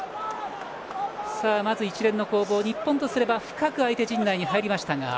まず一連の攻防、日本とすれば深く相手陣内に入りましたが。